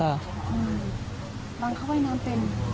หลังเขาไหว้น้ำเป็น